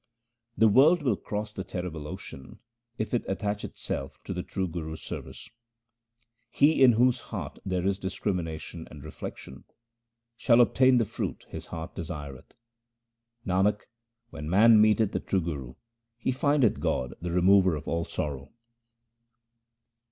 The world will cross the terrible ocean if it attach itself to the true Guru's service. He in whose heart there is discrimination and reflection, shall obtain the fruit his heart desireth. Nanak, when man meeteth the true Guru, he findeth God the remover of all sorrow.